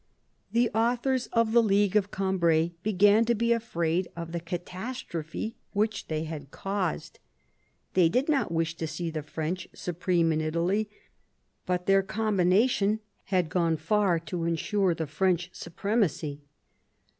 The authors of the League of Cambrai began to be afraid of the catastrophe which they had caused. They did not wish to see the French supreme in Italy, but their combination had gone far to ensure the French supremacy.